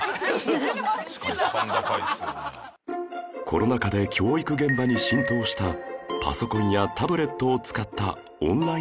コロナ禍で教育現場に浸透したパソコンやタブレットを使ったオンライン授業